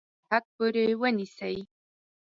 سرحد پوري ونیسي.